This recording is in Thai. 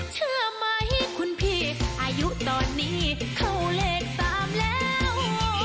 เชื่อไหมคุณพี่อายุตอนนี้เข้าเลข๓แล้ว